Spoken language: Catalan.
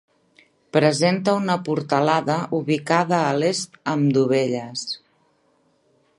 Presenta una portalada ubicada a l'est amb dovelles.